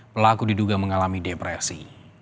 pelaku diduga mengalami depresi